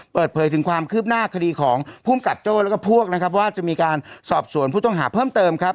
เปิดเผยถึงความคืบหน้าคดีของภูมิกับโจ้แล้วก็พวกนะครับว่าจะมีการสอบสวนผู้ต้องหาเพิ่มเติมครับ